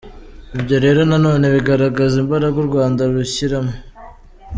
Ibyo rero na none bigaragaza imbaraga u Rwanda rushyiramo.